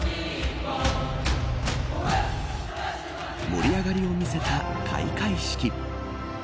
盛り上がりを見せた開会式。